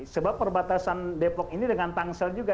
sebab perbatasan depok ini dengan tangsel juga